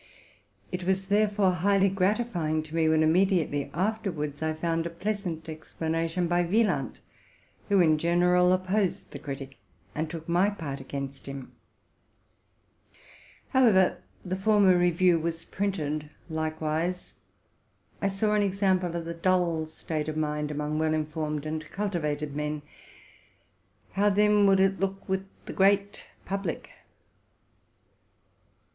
It was therefore highly gratifying to me, when se acta a afterwards I found a pleasant explanation by Wieland, who in general opposed the critic, and took my part against him. However, the former review was printed likewise: I saw an example of the dull state of mind among well informed and cultivated men. How, then, would it look with the great public?